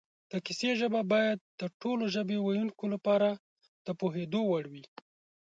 د کیسې ژبه باید د ټولو ژبې ویونکو لپاره د پوهېدو وړ وي